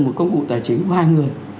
một công cụ tài chính của hai người